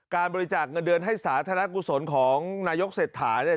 บริจาคเงินเดือนให้สาธารณกุศลของนายกเศรษฐาเนี่ย